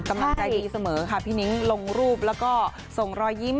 กำลังใจดีเสมอค่ะพี่นิ้งลงรูปแล้วก็ส่งรอยยิ้ม